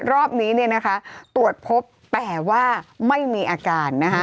รอบนี้ตรวจพบแปลว่าไม่มีอาการ